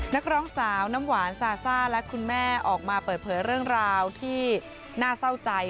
นักร้องสาวน้ำหวานซาซ่าและคุณแม่ออกมาเปิดเผยเรื่องราวที่น่าเศร้าใจ